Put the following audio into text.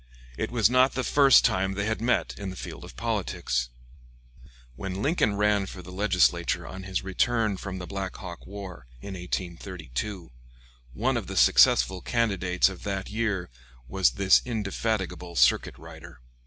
It was not the first time they had met in the field of politics. When Lincoln ran for the Legislature on his return from the. Black Hawk war, in 1832, one of the successful candidates of that year was this indefatigable circuit rider.